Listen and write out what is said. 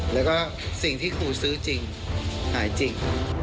แล้วก็สิ่งที่ครูซื้อจริงหายจริง